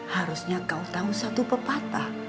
harusnya kau tahu satu pepatah